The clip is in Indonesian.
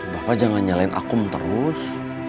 bapak jangan nyalain akum terus